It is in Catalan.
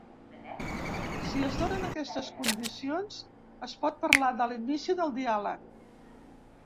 Si es donen aquestes condicions, es pot parlar de l’inici del diàleg.